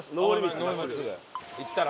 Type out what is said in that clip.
行ったら？